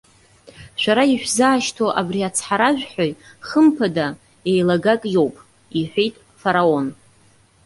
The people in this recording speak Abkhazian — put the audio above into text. Шәара ишәзаашьҭу абри ацҳаражәҳәаҩ, хымԥада, еилагак иоуп,- иҳәеит Фараон.